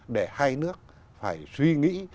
để hai nước phải suy nghĩ